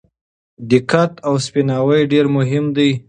دقت او سپیناوی ډېر مهم دي.